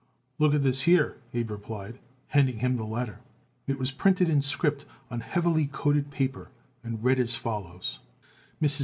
"Look at this here," Abe replied, handing him the letter. It was printed in script on heavily coated paper and read as follows: MRS.